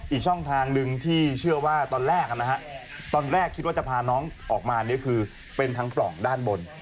อีกช่องทางหนึ่งที่เชื่อว่าตอนแรกนะฮะตอนแรกคิดว่าจะพาน้องออกมาเนี่ยคือเป็นทางปล่องด้านบน